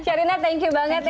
sherinnya thank you banget ya